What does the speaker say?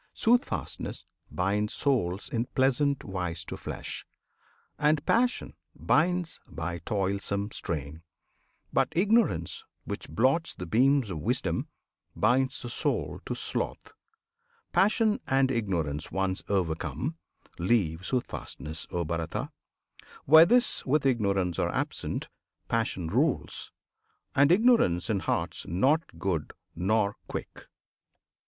Soothfastness binds souls In pleasant wise to flesh; and Passion binds By toilsome strain; but Ignorance, which blots The beams of wisdom, binds the soul to sloth. Passion and Ignorance, once overcome, Leave Soothfastness, O Bharata! Where this With Ignorance are absent, Passion rules; And Ignorance in hearts not good nor quick.